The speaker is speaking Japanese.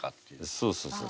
そうそうそうそう。